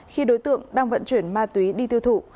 khi đối tượng đang vận chuyển ma túy đi tiêu thụ